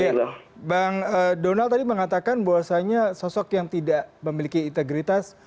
iya bang donald tadi mengatakan bahwasannya sosok yang tidak memiliki integritas